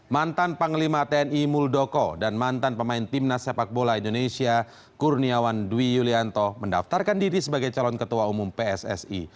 mantan panglima tni muldoko dan mantan pemain timnas sepak bola indonesia kurniawan dwi yulianto mendaftarkan diri sebagai calon ketua umum pssi